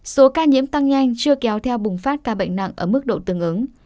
số ca nhiễm tăng nhanh chưa kéo theo bùng phát ca bệnh nặng ở mức độ tương ứng